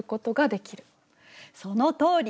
そのとおり！